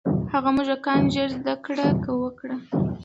هغه موږکان ژر زده کړه وکړه.